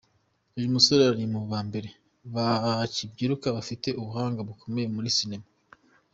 Uyu musore ari mu ba mbere bakibyiruka bafite ubuhanga bukomeye muri sinema.